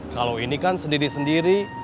kalau ini kan sendiri sendiri